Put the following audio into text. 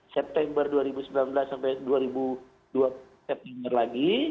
september dua ribu sembilan belas sampai dua ribu dua september lagi